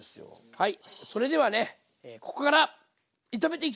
はい。